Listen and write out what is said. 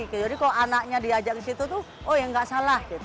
jadi kalau anaknya diajak ke situ tuh oh ya nggak salah